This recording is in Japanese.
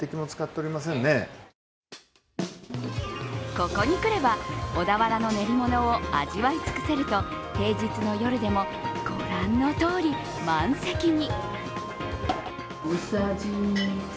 ここに来れば小田原の練り物を味わい尽くせると平日の夜でも、御覧のとおり満席に。